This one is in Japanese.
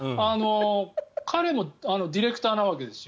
彼もディレクターなわけですよ。